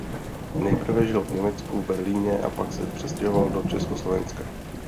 Nejprve žil v Německu v Berlíně a pak se přestěhoval do Československa.